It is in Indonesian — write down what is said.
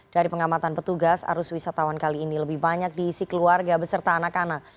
dari pengamatan petugas arus wisatawan kali ini lebih banyak diisi keluarga beserta anak anak